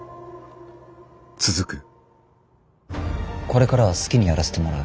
これからは好きにやらせてもらう。